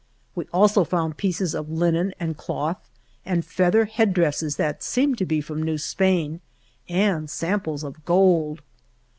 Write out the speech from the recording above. We also found pieces of linen and cloth, and feather head dresses that seemed to be from New Spain, and samples of gold.